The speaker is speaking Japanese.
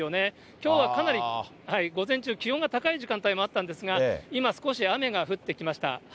きょうはかなり午前中、気温が高い時間帯もあったんですが、今、少し雨が降ってきました。